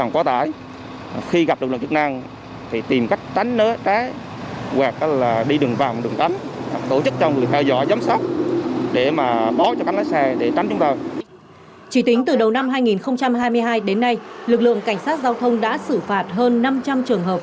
chỉ tính từ đầu năm hai nghìn hai mươi hai đến nay lực lượng cảnh sát giao thông đã xử phạt hơn năm trăm linh trường hợp